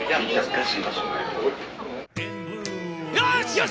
「よし！